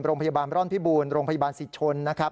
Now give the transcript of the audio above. โรงพยาบาลร่อนพิบูรณ์โรงพยาบาลศิชนนะครับ